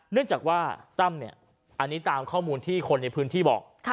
เนื่องจากว่าตั้มเนี่ยอันนี้ตามข้อมูลที่คนในพื้นที่บอก